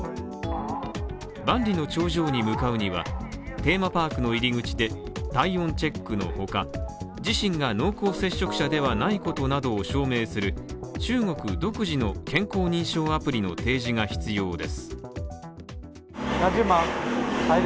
万里の長城に向かうには、テーマパークの入り口で体温チェックのほか自身が濃厚接触者ではないことなどを証明する中国独自の健康認証アプリの提示が必要です